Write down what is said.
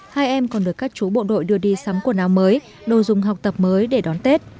hai em còn được các chú bộ đội đưa đi sắm quần áo mới đồ dùng học tập mới để đón tết